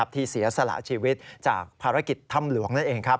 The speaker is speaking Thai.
ที่เสียสละชีวิตจากภารกิจถ้ำหลวงนั่นเอง